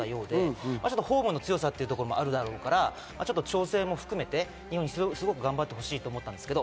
ホームの強さということもあるだろうから、調整も含めて日本、頑張ってほしいと思ったんですけど。